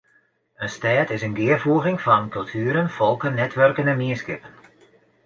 In stêd is in gearfoeging fan kultueren, folken, netwurken en mienskippen.